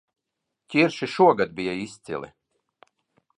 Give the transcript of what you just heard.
Ķirši šogad bija izcili